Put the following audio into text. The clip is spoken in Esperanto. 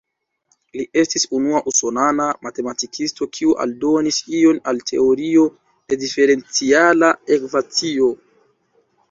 Li estis unua usonana matematikisto kiu aldonis ion al teorio de diferenciala ekvacio.